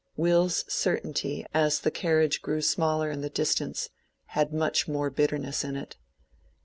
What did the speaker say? Will's certainty as the carriage grew smaller in the distance, had much more bitterness in it.